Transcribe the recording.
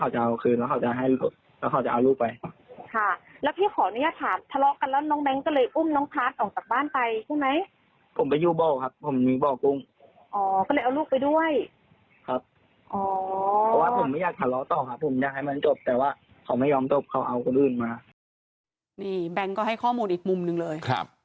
ใช่นะแต่ไม่ค่ะต้องเอาพูดตะเบงก็เลย